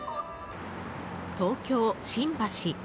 東京・新橋。